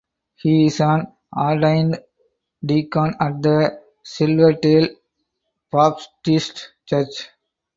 He is an ordained deacon at the Silverdale Baptist Church.